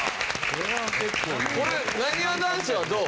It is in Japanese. これなにわ男子はどう？